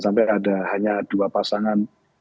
sampai ada hanya dua pasangan